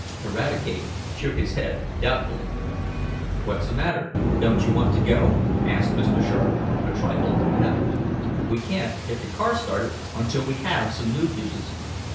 Eradicate shook his head doubtfully. "What's the matter? Don't you want to go?" asked Mr. Sharp, a trifle nettled. "We can't get the car started until we have some new fuses."